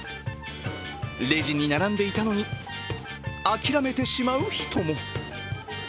レジに並んでいたのに諦めてしまう人も。